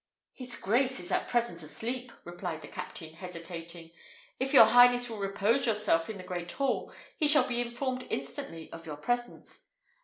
"His grace is at present asleep," replied the captain, hesitating. "If your highness will repose yourself in the great hall, he shall be informed instantly of your presence."